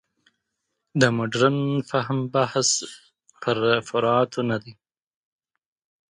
د مډرن فهم بحث پر فروعاتو نه دی.